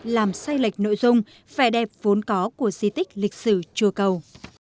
làm sai lệch nội dung vẻ đẹp vốn có của di tích lịch sử chùa cầu